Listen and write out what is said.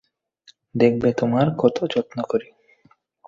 দেখবে তোমার কত যত্ন করি!